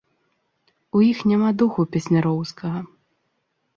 У іх няма духу песняроўскага.